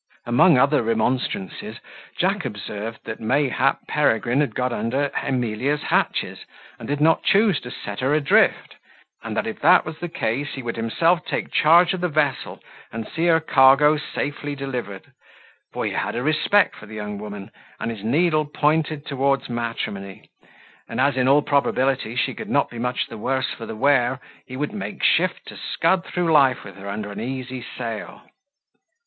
Among other remonstrances, Jack observed that mayhap Peregrine had got under Emilia's hatches, and did not choose to set her adrift; and that if that was the case, he himself would take charge of the vessel, and see her cargo safely delivered; for he had a respect for the young woman, and his needle pointed towards matrimony; and as, in all probability, she could not be much the worse for the wear, he would make shift to scud through life with her under an easy sail.